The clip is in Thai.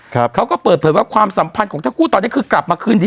เขาก็เปิดเผยว่าความสัมพันธ์ของทั้งคู่ตอนนี้คือกลับมาคืนดี